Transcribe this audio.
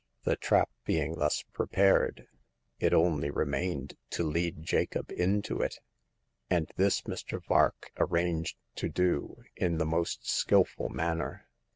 The trap be ing thus prepared, it only remained to lead Jacob into it ; and this Mr. Vark arranged to do in the most skilful manner.